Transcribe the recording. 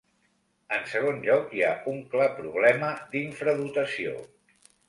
En segon lloc, hi ha un clar problema d’infradotació.